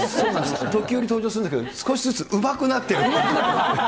時折、登場するんですけど、少しずつうまくなってるっていう。